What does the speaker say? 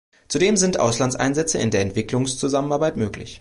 Zudem sind Auslandseinsätze in der Entwicklungszusammenarbeit möglich.